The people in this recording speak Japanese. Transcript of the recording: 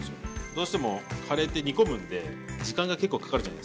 どうしてもカレーって煮込むんで時間が結構かかるじゃないですか。